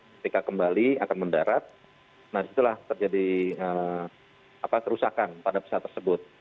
ketika kembali akan mendarat nah disitulah terjadi kerusakan pada pesawat tersebut